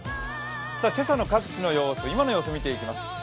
今朝の各地の様子、今の様子を見ていきます。